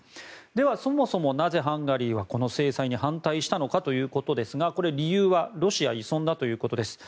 では、そもそもなぜハンガリーはこの制裁に反対したのかということですがこれ、理由はロシア依存だということです。